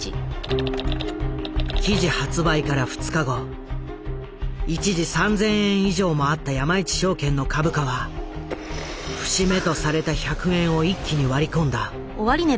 記事発売から２日後一時３，０００円以上もあった山一証券の株価は節目とされた１００円を一気に割り込んだ。